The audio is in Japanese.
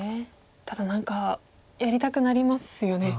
ただ何かやりたくなりますよね。